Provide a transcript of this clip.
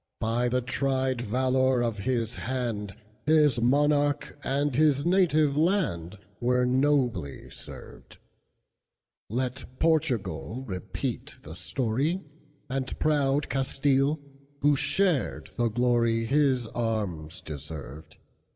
By the tried valor of his hand, His monarch and his native landWere nobly served; Let Portugal repeat the story, And proud Castile, who shared the gloryHis arms deserved.